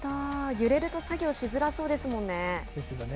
揺れると作業しづらそうですもんですよね。